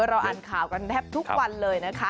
เราอ่านข่าวกันแทบทุกวันเลยนะคะ